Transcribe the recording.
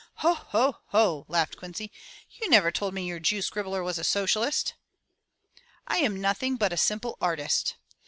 Ho! Ho! Ho!" laughed Quincy. "You never told me your Jew scribbler was a socialist." "I am nothing but a simple artist."